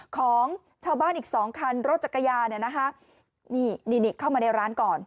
ของชาวบ้านอีก๒คันรถจักรยานนี่เข้ามาในร้านก่อน